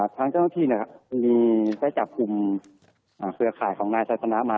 ทั้งเจ้าหน้าที่มีไปจากกลุ่มเครือข่ายของนายศาสนามา